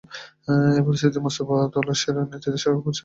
এই পরিস্থিতিতে মুস্তাফা ত’লাসের নেতৃত্বে সরকার পরিচালিত হতে থাকে।